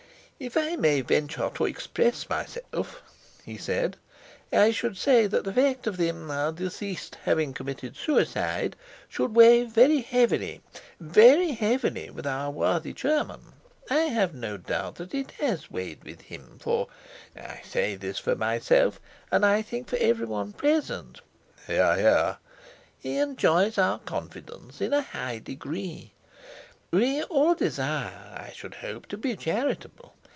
"If I may venture to express myself," he said, "I should say that the fact of the—er—deceased having committed suicide should weigh very heavily—very heavily with our worthy chairman. I have no doubt it has weighed with him, for—I say this for myself and I think for everyone present (hear, hear)—he enjoys our confidence in a high degree. We all desire, I should hope, to be charitable.